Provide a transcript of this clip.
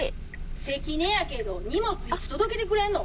関根やけど荷物いつ届けてくれんの？